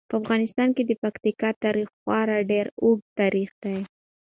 په افغانستان کې د پکتیکا تاریخ خورا ډیر اوږد تاریخ دی.